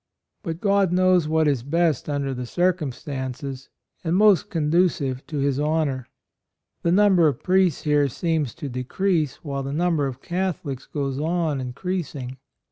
... But God knows what is best under the circumstances and most con ducive to His honor. ... The number of priests here seems to decrease, while the number of Catholics goes on increasing.